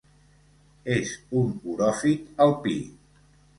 És un oròfit alpí.